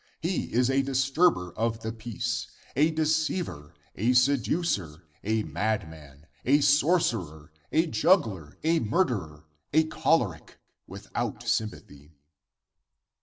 <He is a disturber of the peace, a deceiver, a se ducer, a madman, a sorcerer, a juggler, a murderer, a choleric ; without sympathy.